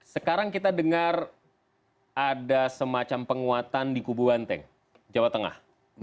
sekarang kita dengar ada semacam penguatan di kubu banteng jawa tengah